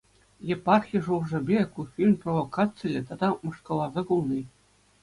Епархи шухашӗпе, ку фильм провокациллӗ тата мӑшкӑлласа кулни.